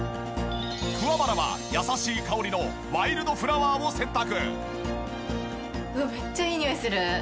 桑原は優しい香りのワイルドフラワーを選択。